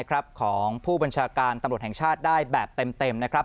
ของผู้บัญชาการตำรวจแห่งชาติได้แบบเต็มนะครับ